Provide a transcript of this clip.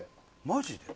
マジで？